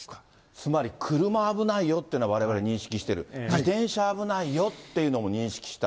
つまり車、危ないよというのはわれわれ認識してる、自転車危ないよっていうのも認識した。